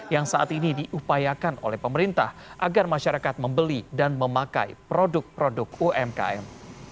yang saat ini diupayakan oleh pemerintah agar masyarakat membeli dan memakai produk produk umkm